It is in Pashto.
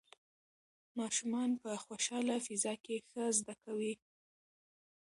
ماشومان په خوشحاله فضا کې ښه زده کوي.